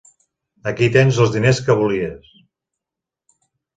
Aquí tens els diners que volies.